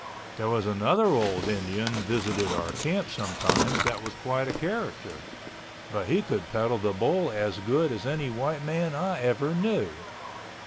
There was another old Indian visited our camp sometimes, that was quite a character. But he could peddle the bull as good as any white man I ever knew.